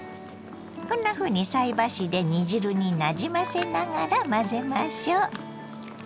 こんなふうに菜箸で煮汁になじませながら混ぜましょう。